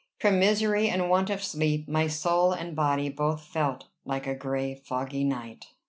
From misery and want of sleep, my soul and body both felt like a gray foggy night.